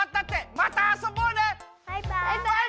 またあそぼうね！